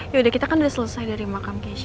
yaudah kita kan udah selesai dari makam keisha